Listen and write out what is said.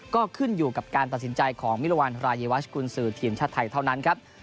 ก็ขึ้นอยู่กับการตัดสินใจของมิรวรรณรายวัชกุญสือทีมชาติไทยเท่านั้นครับ